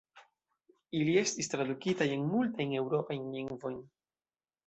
Ili estis tradukitaj en multajn eŭropajn lingvojn.